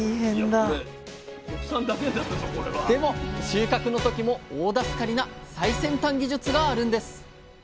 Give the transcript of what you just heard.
収穫の時も大助かりな最先端技術があるんです！